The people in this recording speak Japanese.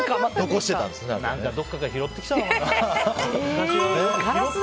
どこかから拾ってきたのかな。